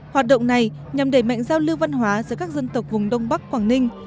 hoạt động này nhằm đẩy mạnh giao lưu văn hóa giữa các dân tộc vùng đông bắc quảng ninh